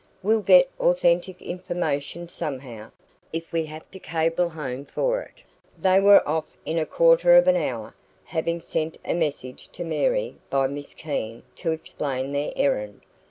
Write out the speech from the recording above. We'll get authentic information somehow, if we have to cable home for it." They were off in a quarter of an hour, having sent a message to Mary by Miss Keene to explain their errand.